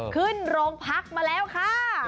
ขึ้นโรงพักมาแล้วค่ะ